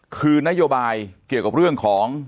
คือนโยบายเกี่ยวกับเรื่องของ